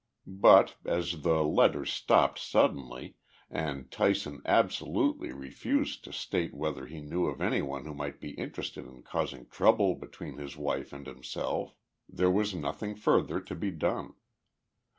But, as the letters stopped suddenly and Tyson absolutely refused to state whether he knew of anyone who might be interested in causing trouble between his wife and himself, there was nothing further to be done.